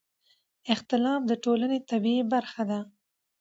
اختلاف د ټولنې طبیعي برخه ده